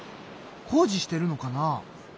工事してるのかな？